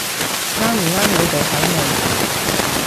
啱唔啱你哋口味